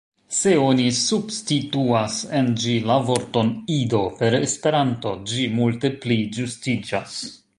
Se oni substituas en ĝi la vorton »Ido« per »Esperanto«, ĝi multe pli ĝustiĝas.